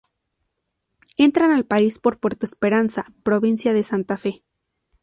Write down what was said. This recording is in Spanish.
Entran al país por Puerto Esperanza, Provincia de Santa Fe.